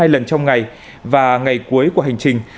hai lần trong ngày và ngày cuối của hành trình